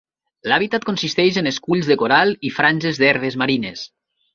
L'hàbitat consisteix en esculls de coral i franges d'herbes marines.